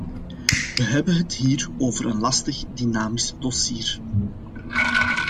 We hebben het hier over een lastig, dynamisch dossier.